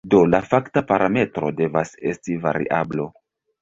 Do, la fakta parametro devas esti variablo.